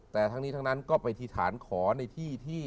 แต่ทั้งนี้ทั้งนั้นก็ไปอธิษฐานขอในที่ที่